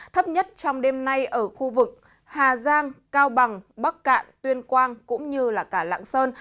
thấp nhất trong đêm nay ở khu vực hà giang cao bằng bắc cạn tuyên quang cũng như cả lạng sơn